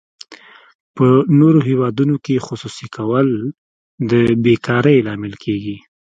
په نورو هیوادونو کې خصوصي کول د بې روزګارۍ لامل کیږي.